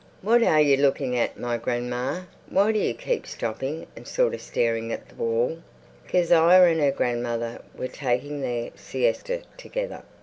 "What are you looking at, my grandma? Why do you keep stopping and sort of staring at the wall?" Kezia and her grandmother were taking their siesta together.